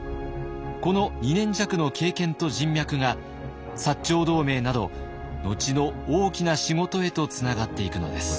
この２年弱の経験と人脈が長同盟など後の大きな仕事へとつながっていくのです。